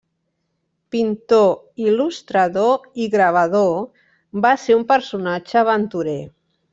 Pintor, il·lustrador i gravador, va ser un personatge aventurer.